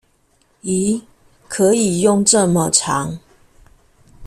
疑！可以用這麼長